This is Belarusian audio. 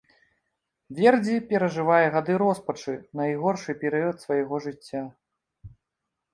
Вердзі перажывае гады роспачы, найгоршы перыяд свайго жыцця.